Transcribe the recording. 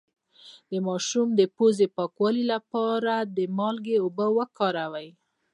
د ماشوم د پوزې د پاکوالي لپاره د مالګې اوبه وکاروئ